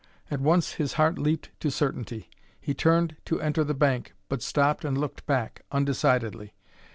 At once his heart leaped to certainty. He turned to enter the bank, but stopped and looked back, undecidedly.